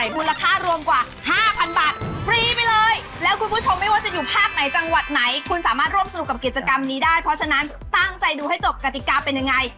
มูลค่ารวมกว่า๕๐๐๐บาทฟรีไปเลยแล้วคุณผู้ชมไม่ว่าจะอยู่ภาคไหนจังหวัดไหนคุณสามารถร่วมสนุกกับกิจกรรมนี้ได้เพราะฉะนั้นตั้งใจดูให้จบกติกาเป็นยังไง